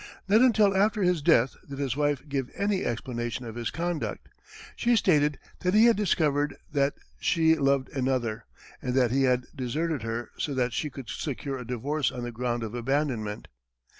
Not until after his death, did his wife give any explanation of his conduct. She stated that he had discovered that she loved another, and that he had deserted her so that she could secure a divorce on the ground of abandonment.